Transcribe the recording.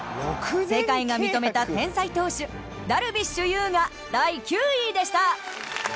世界が認めた天才投手ダルビッシュ有が第９位でした。